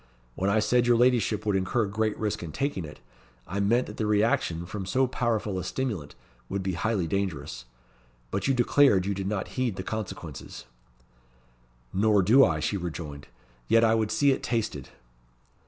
When I said your ladyship would incur great risk in taking it, I meant that the reaction from so powerful a stimulant would be highly dangerous. But you declared you did not heed the consequences." "Nor do I," she rejoined. "Yet I would see it tasted."